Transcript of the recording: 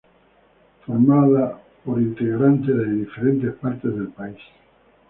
Formada por integrantes de diferentes partes del país.